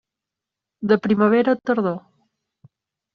De primavera a tardor.